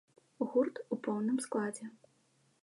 Гурт у поўным складзе.